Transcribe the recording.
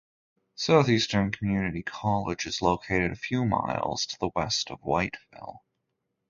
Southeastern Community College is located a few miles to the west of Whiteville.